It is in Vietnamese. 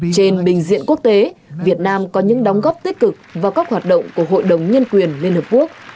trên bình diện quốc tế việt nam có những đóng góp tích cực vào các hoạt động của hội đồng nhân quyền liên hợp quốc